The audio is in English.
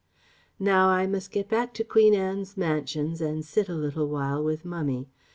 "Now I must go back to Queen Anne's Mansions and sit a little while with Mummy.